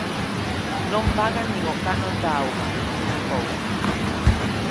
Non pagan nin o canon da auga, criticou.